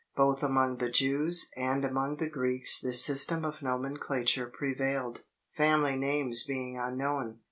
Both among the Jews and among the Greeks this system of nomenclature prevailed, family names being unknown.